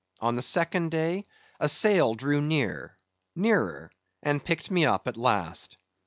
On the second day, a sail drew near, nearer, and picked me up at last.